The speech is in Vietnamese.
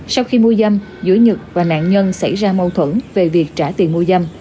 sau khi mua dâm giữa nhật và nạn nhân xảy ra mâu thuẫn về việc trả tiền mua dâm